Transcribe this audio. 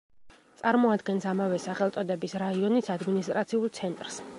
წარმოადგენს ამავე სახელწოდების რაიონის ადმინისტრაციულ ცენტრს.